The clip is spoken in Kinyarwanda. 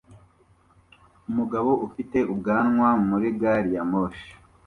Umugabo ufite ubwanwa muri gari ya moshi